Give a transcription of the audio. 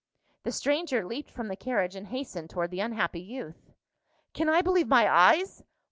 The stranger leaped from the carriage and hastened toward the unhappy youth. "Can I believe my eyes?